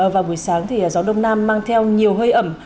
vào buổi sáng thì gió đông nam mang theo nhiều hơi ẩm